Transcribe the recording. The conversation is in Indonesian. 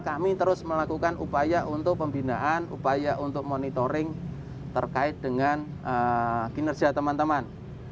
kami terus melakukan upaya untuk pembinaan upaya untuk monitoring terkait dengan kinerja teman teman